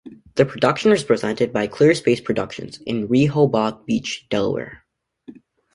The production was presented by Clear Space Productions in Rehoboth Beach, Delaware.